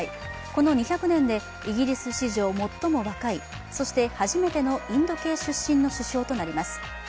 この２００年でイギリス史上最も若いそして初めてのインド系出身の首相となります。